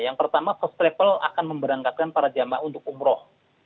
yang pertama first travel akan memberangkatkan para jamaah untuk umroh